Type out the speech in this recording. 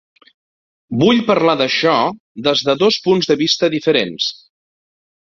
Vull parlar d’això des de dos punts de vista diferents.